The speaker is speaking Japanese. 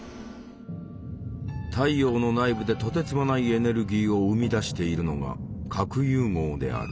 太陽の内部でとてつもないエネルギーを生み出しているのが核融合である。